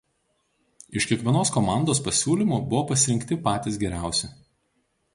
Iš kiekvienos komandos pasiūlymų buvo pasirinkti patys geriausi.